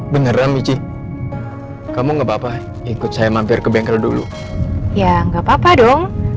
beneran biji kamu enggak papa ikut saya mampir ke bengkel dulu ya nggak papa dong